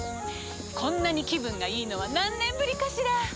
こんなに気分がいいのは何年ぶりかしら！